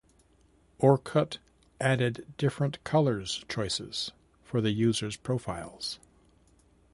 Orkut added different colours choices for the users profiles.